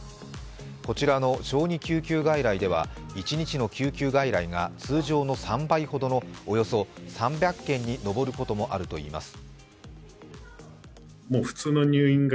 こちらの小児救急外来では一日の救急外来が通常の３倍ほどのおよそ３００件に上ることもあるといいます。